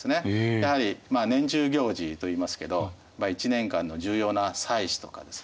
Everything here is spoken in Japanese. やはり年中行事といいますけど一年間の重要な祭祀とかですね